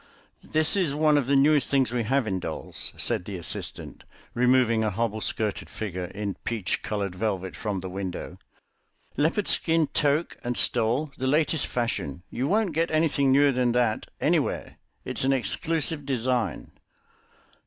"This is one of the newest things we have in dolls," said the assistant, removing a hobble skirted figure in peach coloured velvet from the window; "leopard skin toque and stole, the latest fashion. You won't get anything newer than that anywhere. It's an exclusive design."